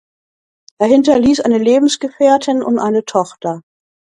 Er hinterließ eine Lebensgefährtin und eine Tochter.